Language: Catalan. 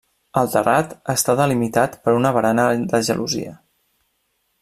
El terrat està delimitat per una barana de gelosia.